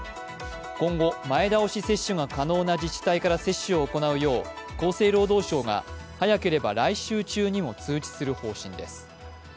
今後、前倒し接種が可能な自治体から接種を行うよう厚生労働省が早ければ来週中にも通知する方針です。